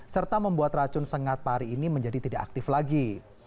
serta membuat racun sengat pari ini menjadi tidak aktif lagi